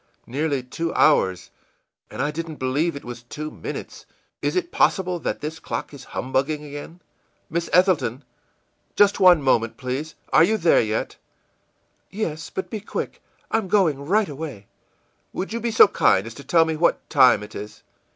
Nearly two hours, and I didn't believe it was two minutes! Is it possible that this clock is humbugging again? Miss Ethelton! Just one moment, please. Are you there yet?î ìYes, but be quick; I'm going right away.î ìWould you be so kind as to tell me what time it is?